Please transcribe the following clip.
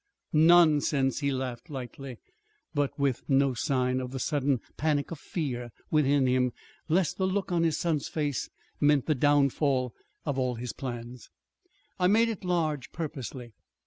"Nonsense!" he laughed lightly, with no sign of the sudden panic of fear within him lest the look on his son's face meant the downfall of all his plans. "I made it large purposely.